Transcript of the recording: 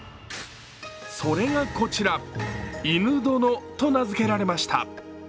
それがこちら、犬殿と名付けられました。